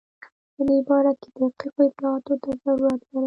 په دې باره کې دقیقو اطلاعاتو ته ضرورت لرم.